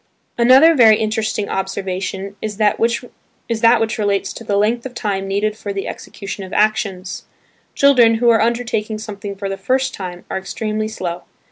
Another very interesting observation is that which relates to the length of time needed for the execution of actions. Children, who are undertaking something for the first time are extremely slow.